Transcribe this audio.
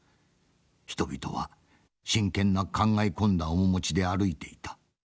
人々は真剣な考え込んだ面持ちで歩いていた。